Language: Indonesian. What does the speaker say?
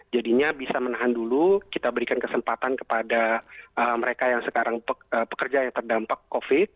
jadinya bisa menahan dulu kita berikan kesempatan kepada mereka yang sekarang pekerja yang terdampak covid